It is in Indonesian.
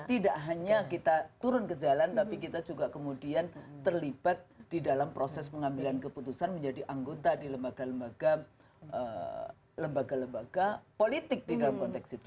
tidak hanya kita turun ke jalan tapi kita juga kemudian terlibat di dalam proses pengambilan keputusan menjadi anggota di lembaga lembaga politik di dalam konteks itu